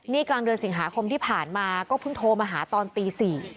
นี่กลางเดือนสิงหาคมที่ผ่านมาก็เพิ่งโทรมาหาตอนตี๔